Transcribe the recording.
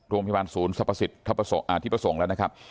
โรงพยาบาลศูนย์ที่ประสงค์แล้วนะครับ